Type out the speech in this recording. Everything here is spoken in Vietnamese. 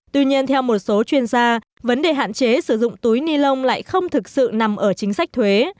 tuy nhiên theo một số chuyên gia vấn đề hạn chế sử dụng túi ni lông lại không thực sự nằm ở chính sách thuế